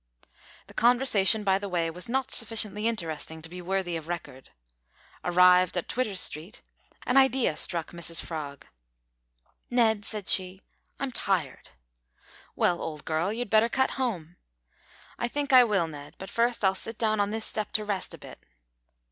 The conversation by the way was not sufficiently interesting to be worthy of record. Arrived at Twitter's street an idea struck Mrs Frog. "Ned," said she, "I'm tired." "Well, old girl, you'd better cut home." "I think I will, Ned, but first I'll sit down on this step to rest a bit."